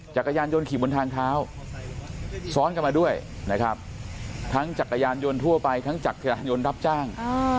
จักรยานยนต์ขี่บนทางเท้าซ้อนกันมาด้วยนะครับทั้งจักรยานยนต์ทั่วไปทั้งจักรยานยนต์รับจ้าง